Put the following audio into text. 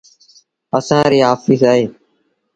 اسآݩ ريٚ آڦيٚس اهي۔